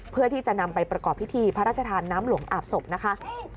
เพื่อที่จะนำไปประกอบพิธีพระราชทานน้ำหลวงอาบศพนะคะ